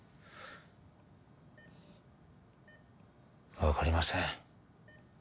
分かりません